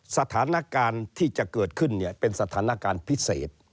สถานการณ์ที่จะเกิดขึ้นเนี่ยเป็นสถานการณ์พิเศษ